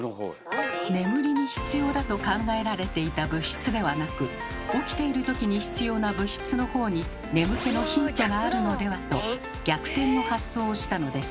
眠りに必要だと考えられていた物質ではなく起きているときに必要な物質の方に眠気のヒントがあるのではと逆転の発想をしたのです。